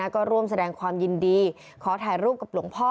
ก็ร่วมแสดงความยินดีขอถ่ายรูปกับหลวงพ่อ